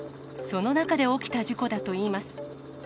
その中で起きた事故だといいます。